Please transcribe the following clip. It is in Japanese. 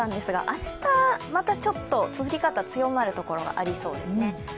明日またちょっと降り方が強まるところがありそうですね。